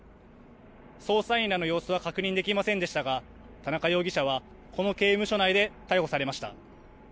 捜査員らの様子は確認できませんでしたが田中容疑者はこの刑務所内で逮捕されました。